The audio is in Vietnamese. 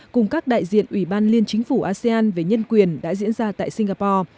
cùng các đại diện ủy ban liên chính phủ asean về nhân quyền đã diễn ra tại singapore